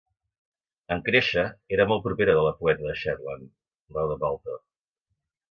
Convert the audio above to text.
En créixer, era molt propera de la poeta de Shetland, Rhoda Bulter.